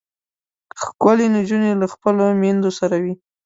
ښکلې نجونې له خپلو میندو سره وي.